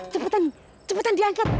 cepetan cepetan diangkat